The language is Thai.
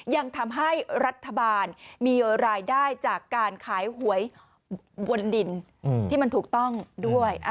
ยังทำให้รัฐบาลมีรายได้จากการขายหวยบนดินที่มันถูกต้องด้วย